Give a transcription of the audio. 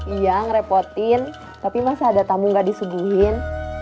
iya ngerepotin tapi masa ada tamu gak disuguhin